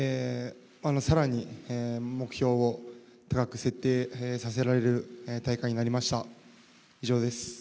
さらに目標を高く設定させられる大会になりました。